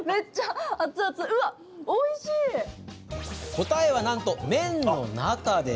答えは、なんと麺の中。